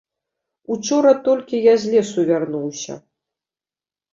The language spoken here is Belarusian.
Учора толькі я з лесу вярнуўся.